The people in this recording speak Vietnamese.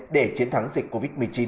để chiến thắng dịch covid một mươi chín